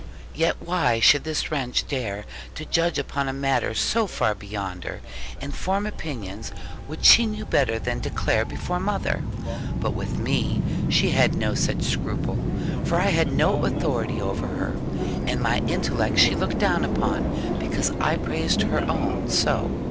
Yet why should this wench dare to judge upon a matter so far beyond her, and form opinions which she knew better than declare before mother? But with me she had no such scruple, for I had no authority over her; and my intellect she looked down upon, because I praised her own so.